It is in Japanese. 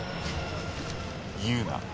言うな。